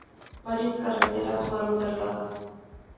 Varias carreteras fueron cerradas.